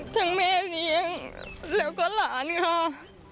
แม่เลี้ยงแล้วก็หลานค่ะ